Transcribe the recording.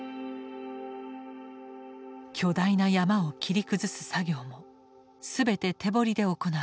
巨大な山を切り崩す作業も全て手掘りで行われた。